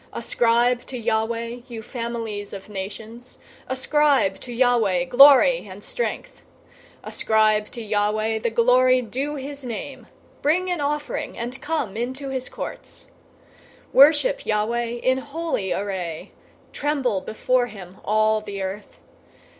096:007 Ascribe to Yahweh, you families of nations, ascribe to Yahweh glory and strength. 096:008 Ascribe to Yahweh the glory due to his name. Bring an offering, and come into his courts. 096:009 Worship Yahweh in holy array. Tremble before him, all the earth.